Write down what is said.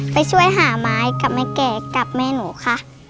ไปช่วยหาไม้กับแม่แก่กับแม่หนูค่ะ